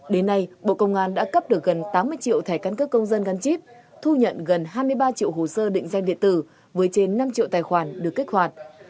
đến nay bộ công an đã cấp được gần tám mươi triệu thẻ căn cước công dân gắn chip thu nhận gần hai mươi ba triệu hồ sơ định danh điện tử với trên năm triệu tài khoản được kích hoạt